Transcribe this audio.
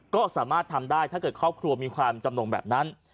ก็สามารถทำได้ถ้าเกิดครอบครัวมีความจำนงแบบนั้น